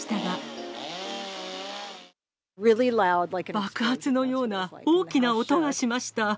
爆発のような大きな音がしました。